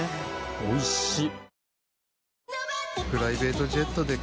おいしい。